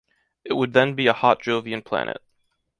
It would then be a hot Jovian planet.